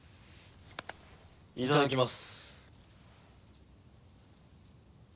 いただきます。